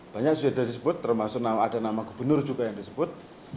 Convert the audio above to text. banyak sudah disebut termasuk ada nama gubernur juga yang disebut